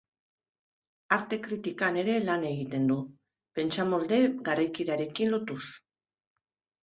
Arte-kritikan ere lan egiten du, pentsamolde garaikidearekin lotuz.